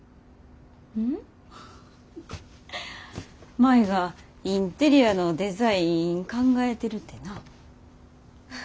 舞がインテリアのデザイン考えてるてな。